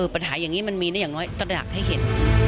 ปัญหาอย่างนี้มันมีได้อย่างน้อยตะดักให้เห็น